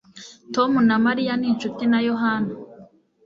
Tom na Mariya ni inshuti na Yohana